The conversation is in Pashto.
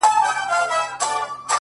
خټي کوم ـ